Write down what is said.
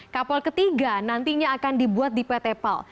kapal ketiga nantinya akan dibuat di pt pal